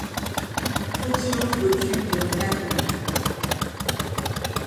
Fonction qu'il occupe durant quatre ans.